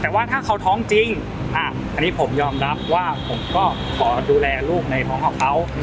แต่ว่าถ้าเขาท้องจริงอันนี้ผมยอมรับว่าผมก็ขอดูแลลูกในท้องของเขา